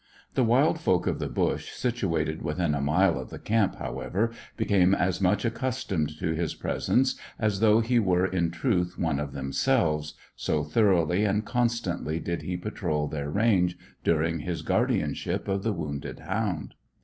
The wild folk of the bush situated within a mile of the camp, however, became as much accustomed to his presence as though he were in truth one of themselves, so thoroughly and constantly did he patrol their range during his guardianship of the wounded hound.